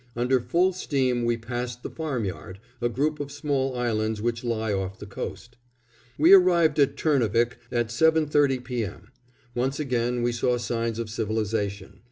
Under full steam we passed the Farmyard, a group of small islands which lie off the coast. We arrived at Turnavik at seven thirty P. M. Once again we saw signs of civilization.